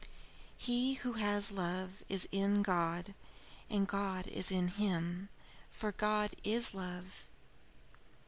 He who has love, is in God, and God is in him, for God is love."